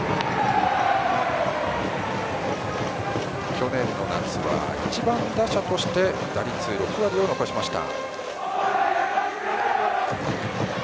去年の夏は１番打者として打率６割を残しました。